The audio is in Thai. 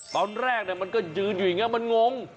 ตอนแรกมันก็ยืนอยู่อย่างนี้มันงง